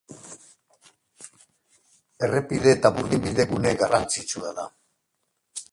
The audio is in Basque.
Errepide eta burdinbide gune garrantzitsua da.